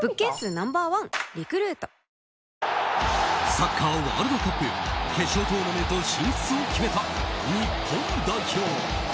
サッカーワールドカップ決勝トーナメント進出を決めた日本代表。